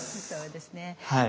そうですね。